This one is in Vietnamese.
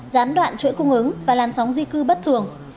gián đoạn chuỗi cung ứng và làn sóng di cư bất thường